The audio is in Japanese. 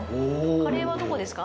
カレーはどこですか？